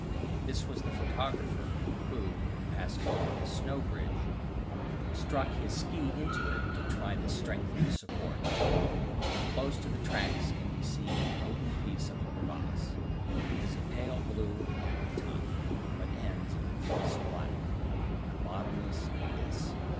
This was the photographer, who, in passing over this snow bridge, struck his ski into it to try the strength of the support. Close to the tracks can be seen an open piece of the crevasse; it is a pale blue at the top, but ends in the deepest black in a bottomless abyss.